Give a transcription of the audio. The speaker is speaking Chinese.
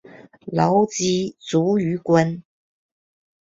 积劳卒于官。